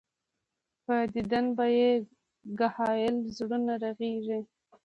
پۀ ديدن به ئې ګهائل زړونه رغيږي